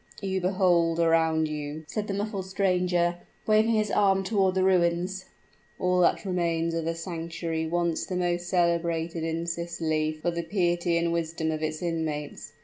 "You behold around you," said the muffled stranger, waving his arm toward the ruins, "all that remains of a sanctuary once the most celebrated in Sicily for the piety and wisdom of its inmates.